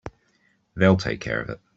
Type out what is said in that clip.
They'll take care of it.